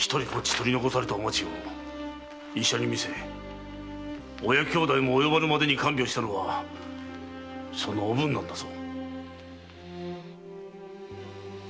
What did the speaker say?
取り残されたおまちを医者に診せ親兄弟も及ばぬまでに看病したのはそのおぶんなんだぞ。